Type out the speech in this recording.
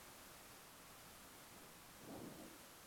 Dr. en Ciencia política por la Universidad del Salvador.